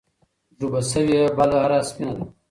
ډوبه سوې بله هر سفينه ده